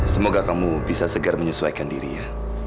semoga kamu bisa segera menyesuaikan diri ya